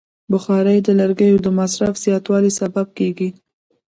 بخاري د لرګیو د مصرف زیاتوالی سبب کېږي.